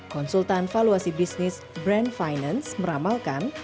konsultan valuasi bisnis brand finance meramalkan